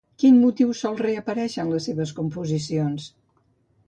Quin motiu sol reaparèixer en les seves composicions?